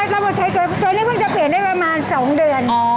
ตัวเนี่ยเพิ่งจะเปลี่ยนได้ประมาณ๒เดือน